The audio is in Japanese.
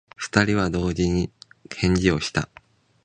二人は同時に返事をした。